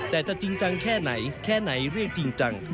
แต่จะจริงจังแค่ไหนแค่ไหนเรียกจริงจัง